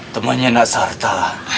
temennya nak sarta